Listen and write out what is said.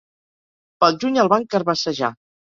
Pel juny el van carbassejar.